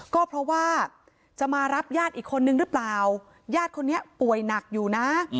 ก็เพราะว่าจะมารับญาติอีกคนนึงหรือเปล่าญาติคนนี้ป่วยหนักอยู่นะ